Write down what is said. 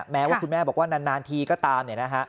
แม้ว่าคุณแม่บอกว่านานทีก็ตาม